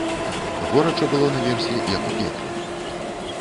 Горача было наверсе, як у пекле.